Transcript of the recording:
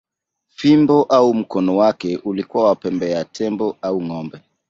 Fimbo au mkono wake ulikuwa wa pembe ya tembo au ng’ombe.